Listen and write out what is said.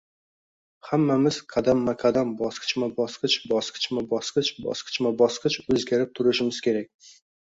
Hammamiz qadamma -qadam, bosqichma -bosqich, bosqichma -bosqich, bosqichma -bosqich o'zgarib turishimiz kerak